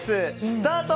スタート！